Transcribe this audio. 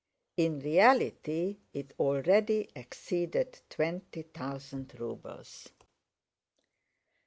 In reality it already exceeded twenty thousand rubles.